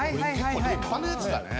これ結構立派なやつだね。